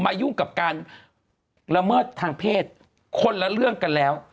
ยุ่งกับการละเมิดทางเพศคนละเรื่องกันแล้ว